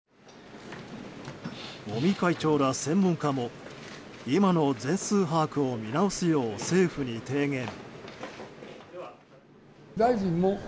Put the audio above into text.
尾身会長ら専門家も今の全数把握を見直すよう政府に提言。